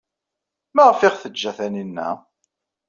Maɣef ay aɣ-teǧǧa Taninna?